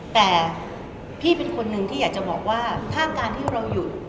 แต่พี่เป็นคนหนึ่งที่อยากจะบอกว่าถ้าการที่เราอยู่